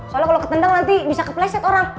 soalnya kalau ketendang nanti bisa kepleset orang